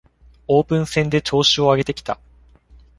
オープン戦で調子を上げてきた